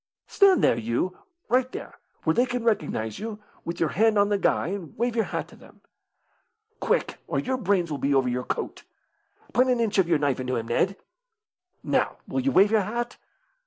"Stand there, you right there, where they can recognise you, with your hand on the guy, and wave your hat to them. Quick, or your brains will be over your coat. Put an inch of your knife into him, Ned. Now, will you wave your hat?